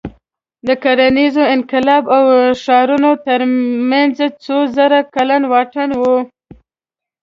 د کرنیز انقلاب او ښارونو تر منځ څو زره کلن واټن و.